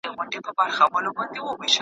ښځي بايد د يو بل وقار وساتي.